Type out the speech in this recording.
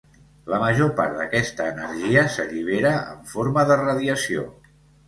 La major part d'aquesta energia s'allibera en forma de radiació.